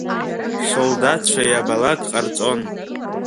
Шәсолдаҭцәа иабалак ҟарҵон.